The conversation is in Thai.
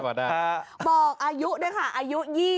บอกอายุด้วยค่ะอายุ๒๐